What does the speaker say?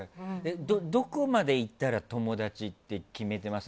どこまでいったら友達って決めてます？